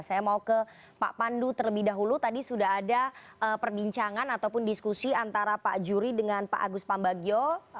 saya mau ke pak pandu terlebih dahulu tadi sudah ada perbincangan ataupun diskusi antara pak juri dengan pak agus pambagio